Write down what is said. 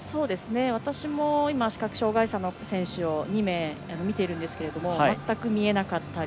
私も視覚障がい者の選手を２名見ているんですが全く見えなかったり